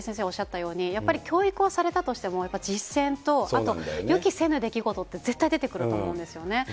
おっしゃったように、やっぱり教育をされたとしても、やっぱり実践と、あと予期せぬ出来事って、絶対出てくると思うんですよね。